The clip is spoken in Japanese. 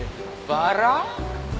バラ？